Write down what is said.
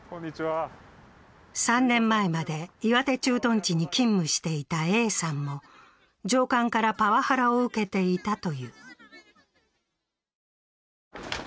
３年前まで岩手駐屯地に勤務していたＡさんも上官からパワハラを受けていたという。